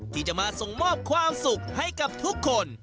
ที่จะมาส่งมอบความสุขให้กับทุกคน